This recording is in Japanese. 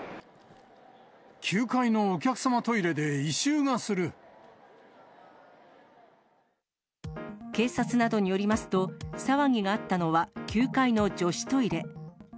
９階のお客様トイレで異臭が警察などによりますと、騒ぎがあったのは９階の女子トイレ。